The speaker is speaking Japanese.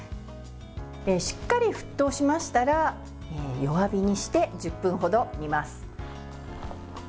しっかり沸騰しましたら弱火にして１０分ほど煮ます。